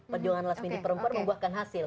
perjuangan last mini perempuan membuahkan hasil